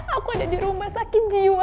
aku ada di rumah sakit jiwa